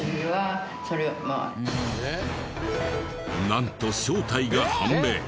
なんと正体が判明！